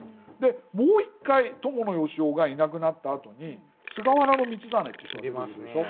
もう一回伴善男がいなくなったあとに菅原道真っていう人が出てくるでしょう。